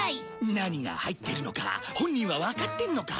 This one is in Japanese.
何が入ってるのか本人はわかってんのか？